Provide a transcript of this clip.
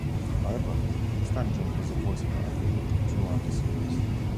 However, Stan Jones was the voice of the adult Luthor throughout the series.